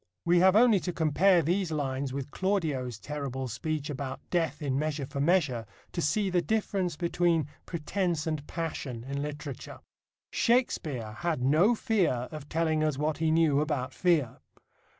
We have only to compare these lines with Claudio's terrible speech about death in Measure for Measure to see the difference between pretence and passion in literature. Shakespeare had no fear of telling us what he knew about fear.